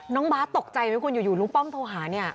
น้องบ๊าตกใจไหมคุณอยู่ลูกพ่อโทรหานี่